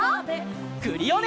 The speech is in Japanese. クリオネ！